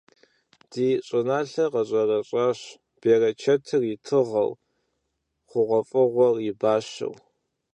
Ди щӀыналъэр къэщӀэрэщӀащ, берычэтыр и тыгъэу, хъугъуэфӀыгъуэр и бащэу.